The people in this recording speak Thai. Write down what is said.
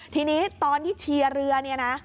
ทีนี้ตอนที่เชียร์เรือ